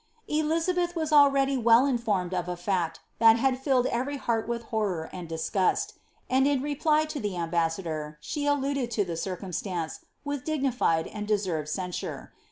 F.lizabcih was already well informed of a fact that had titled every heart with horror and disgust ; and in her reply to the ambassador, she alhided to the circumstance with dignified and deserved censure.